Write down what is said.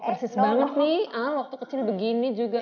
persis banget nih al waktu kecil begini juga